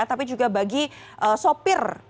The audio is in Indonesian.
tapi juga bagi sopir